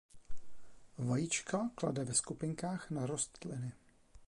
Vajíčka klade ve skupinkách na rostliny.